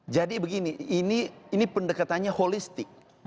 jadi begini ini pendekatannya holistik